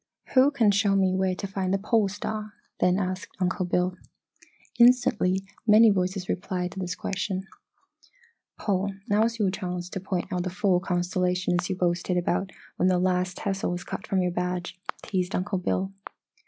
"Who can show me where to find the Pole Star?" then asked Uncle Bill. Instantly many voices replied to this question. "Paul, now's your chance to point out the four constellations you boasted about when that last tassel was cut from your badge," teased Uncle Bill.